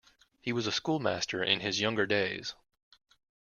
He was a schoolmaster in his younger days.